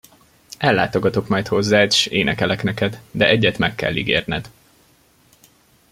Ellátogatok majd hozzád, s énekelek neked, de egyet meg kell ígérned.